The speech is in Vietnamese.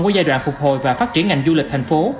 của giai đoạn phục hồi và phát triển ngành du lịch thành phố